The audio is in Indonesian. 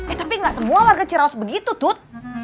eh tapi gak semua warga cirawas begitu tut